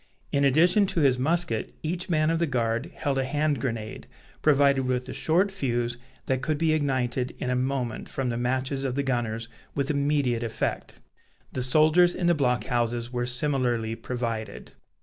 In addition to his musket, each man of the guard held a hand grenade, provided with a short fuse that could be ignited in a moment from the matches of the gunners, with immediate effect. The soldiers in the block houses were similarly provided.